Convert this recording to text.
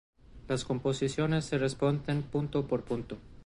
Las composiciones se responden punto por punto.